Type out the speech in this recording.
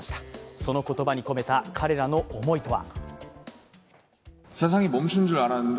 その言葉に込めた彼らの思いとは。